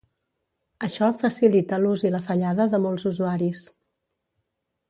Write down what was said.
Això facilita l'ús i la fallada de molts usuaris.